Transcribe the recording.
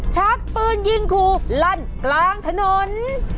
ชักปืนยิงครูลั่นกลางถนน